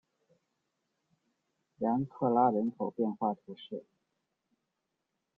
然克拉人口变化图示